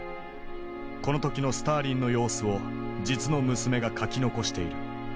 この時のスターリンの様子を実の娘が書き残している。